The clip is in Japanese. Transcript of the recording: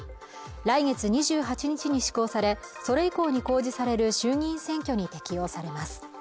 来月２８日に施行されそれ以降に公示される衆議院選挙に適用されます